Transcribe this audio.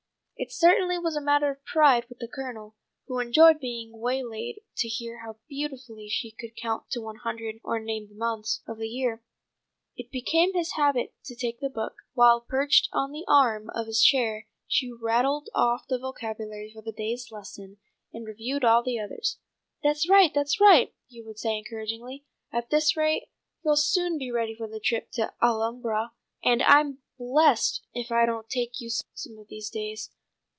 It certainly was a matter of pride with the Colonel, who enjoyed being waylaid to hear how beautifully she could count to one hundred or name the months of the year. It became his habit to take the book, while, perched on the arm of his chair, she rattled off the vocabulary for the day's lesson, and reviewed all the others. "That's right! That's right!" he would say encouragingly. "At this rate you'll soon be ready for a trip to the Alhambra, and I'm blessed if I don't take you some of these days.